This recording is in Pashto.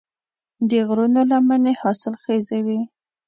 د غرونو لمنې حاصلخیزې وي.